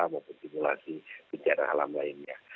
maupun simulasi gejala alam lainnya